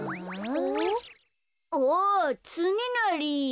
おつねなり。